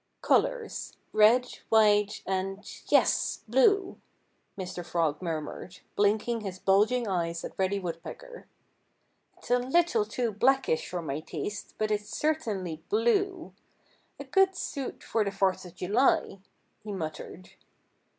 "Colors: red, white and—yes! blue!" Mr. Frog murmured, blinking his bulging eyes at Reddy Woodpecker. "It's a little too blackish for my taste, but it's certainly blue.... A good suit for the Fourth of July!" he muttered.